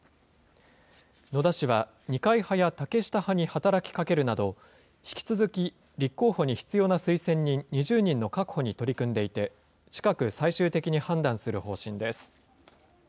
野田氏は、二階派や竹下派に働きかけるなど、引き続き立候補に必要な推薦人２０人の確保に取り組んでいて、近く最終的に判断する方針です。